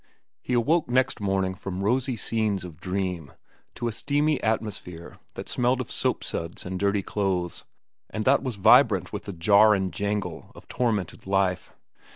He awoke next morning from rosy scenes of dream to a steamy atmosphere that smelled of soapsuds and dirty clothes, and that was vibrant with the jar and jangle of tormented life.